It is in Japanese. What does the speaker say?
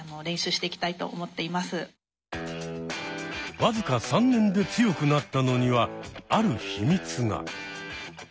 僅か３年で強くなったのにはある秘密が。